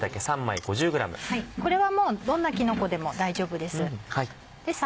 これはどんなきのこでも大丈夫です。